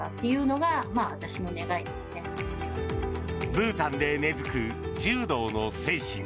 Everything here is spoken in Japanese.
ブータンで根付く柔道の精神。